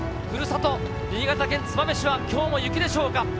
ふるさと、新潟県燕市はきょうも雪でしょうか。